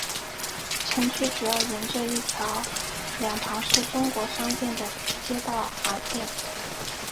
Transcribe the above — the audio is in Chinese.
城区主要沿着一条两旁是中国商店的街道而建。